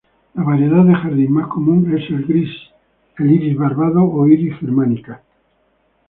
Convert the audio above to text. La variedad de jardín más común es el iris barbado o "Iris germanica".